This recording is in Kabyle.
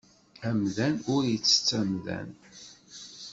Amdan ur ittett amdan.